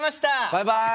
バイバイ！